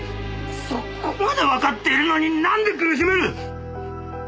そこまでわかっているのになんで苦しめる！